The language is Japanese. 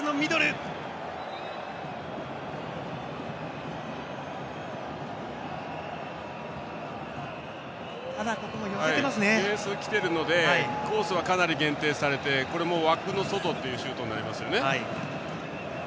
ディフェンスきてるのでコースはかなり限定されてこれも枠の外っていうシュートになりますね。